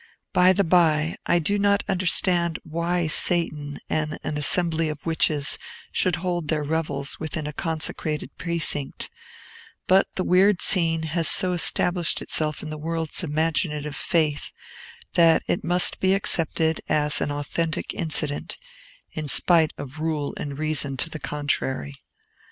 By the by, I do not understand why Satan and an assembly of witches should hold their revels within a consecrated precinct; but the weird scene has so established itself in the world's imaginative faith that it must be accepted as an authentic incident, in spite of rule and reason to the contrary.